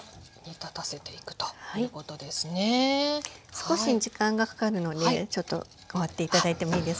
少し時間がかかるのでちょっと代わって頂いてもいいですか？